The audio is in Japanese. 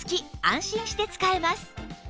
安心して使えます